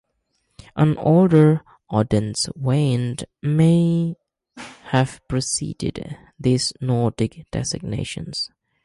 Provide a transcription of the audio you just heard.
An older "Odin's Wain" "may" have preceded these Nordic designations.